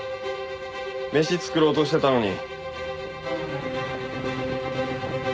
飯作ろうとしてたのに。